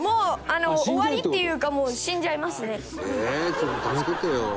ちょっと助けてよ。